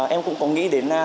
em cũng có nghĩ đến